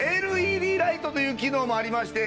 ＬＥＤライトという機能もありまして。